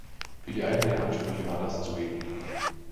Für die eigenen Ansprüche war das zu wenig.